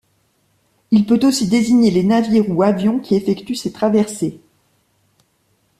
Il peut aussi désigner les navires ou avions qui effectuent ses traversées.